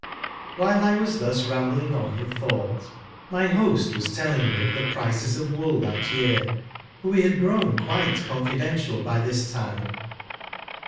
While I was thus rambling on in thought, my host was telling me of the prices of wool that year, for we h.ad grown quite confidential ! by this time.